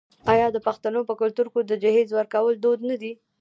آیا د پښتنو په کلتور کې د جهیز ورکول دود نه دی؟